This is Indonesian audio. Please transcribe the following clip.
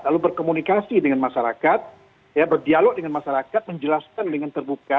lalu berkomunikasi dengan masyarakat berdialog dengan masyarakat menjelaskan dengan terbuka